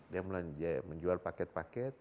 dia menjual paket paket